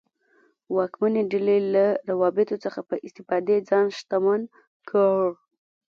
واکمنې ډلې له روابطو څخه په استفادې ځان شتمن کړ.